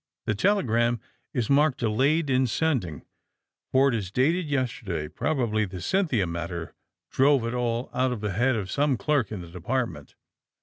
The telegram is marked delayed in sending, for it is dated yes terday. Probably the ^Cynthia' matter drove it all out of the head of some clerk in the De partment.